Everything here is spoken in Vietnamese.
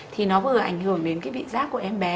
thì nó vừa ảnh hưởng đến cái vị giác của em bé